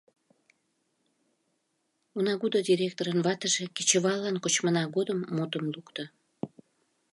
Унагудо директорын ватыже кечываллан кочмына годым мутым лукто.